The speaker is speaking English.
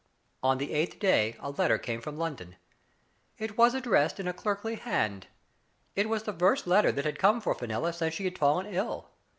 On the eighth day a letter came from London. It was addressed in a clerkly hand. It was the first letter that had come for Fenella since she had fallen ill.